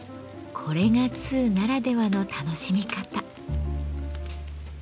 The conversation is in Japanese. これが通ならではの楽しみ方。